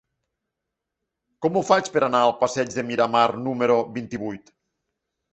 Com ho faig per anar al passeig de Miramar número vint-i-vuit?